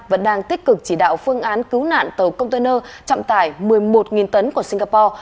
vẫn đang tích cực chỉ đạo phương án cứu nạn tàu container trọng tải một mươi một tấn của singapore